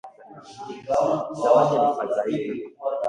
Wakiwa darasa la tisa Tunu alipata rafiki aliyeitwa Tausi